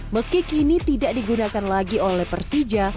meski kini tidak digunakan lagi oleh persija